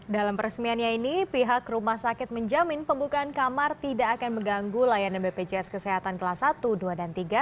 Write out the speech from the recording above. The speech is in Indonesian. dalam peresmiannya ini pihak rumah sakit menjamin pembukaan kamar tidak akan mengganggu layanan bpjs kesehatan kelas satu dua dan tiga